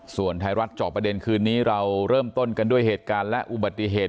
ส่วนไทยรัฐจอบประเด็นคืนนี้เราเริ่มต้นกันด้วยเหตุการณ์และอุบัติเหตุ